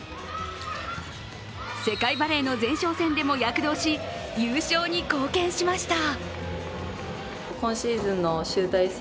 世界バレーの前哨戦でも躍動し優勝に貢献しました。